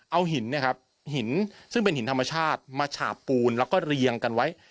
เอาหินเนี่ยครับหินซึ่งเป็นหินธรรมชาติมาฉาบปูนแล้วก็เรียงกันไว้